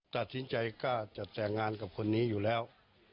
ตัดสินใจกล้าจะแต่งงานกับคนนี้อยู่แล้ว